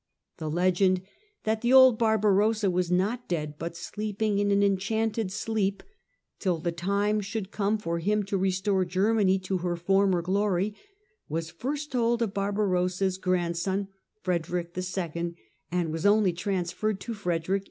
The legend that " the old Barbarossa" was not dead, but sleeping an en chanted sleep till the time should come for him to restore Germany to her former glory, was first told of Bar barossa's grandson Frederick II. (see p. 226), and was only transferred to Frederick I.